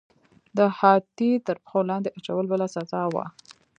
د هاتي تر پښو لاندې اچول بله سزا وه.